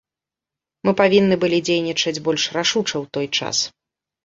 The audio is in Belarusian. Мы павінны былі дзейнічаць больш рашуча ў той час.